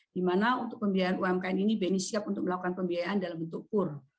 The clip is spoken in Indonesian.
di mana untuk pembiayaan umkm ini bni siap untuk melakukan pembiayaan dalam bentuk kur